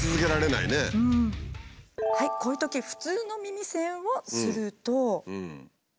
こういうとき普通の耳栓をすると。